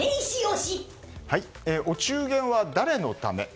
お中元は誰のため？